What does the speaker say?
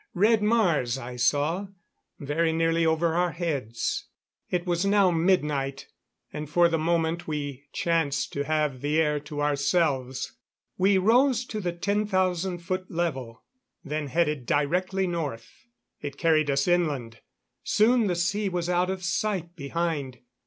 Red Mars, I saw, very nearly over our heads. It was now midnight, and for the moment we chanced to have the air to ourselves. We rose to the 10,000 foot level, then headed directly North. It carried us inland; soon the sea was out of sight behind.